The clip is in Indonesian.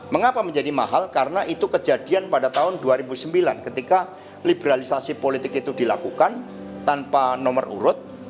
mengapa menjadi mahal karena itu kejadian pada tahun dua ribu sembilan ketika liberalisasi politik itu dilakukan tanpa nomor urut